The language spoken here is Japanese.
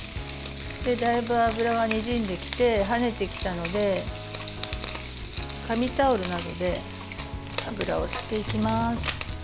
だいぶ油がにじんできて跳ねてきたので、紙タオルなどで油を吸っていきます。